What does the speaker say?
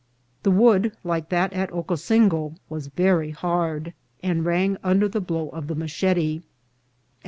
The wood, like that at Ocosingo, was very hard, and rang under the blow of the machete. As